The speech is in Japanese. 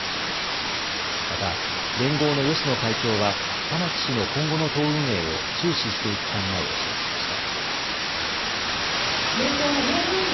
また連合の芳野会長は玉木氏の今後の党運営を注視していく考えを示しました。